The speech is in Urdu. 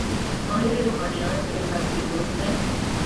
ماہر روحانیات: میرے ساتھ ایک دوست ہیں۔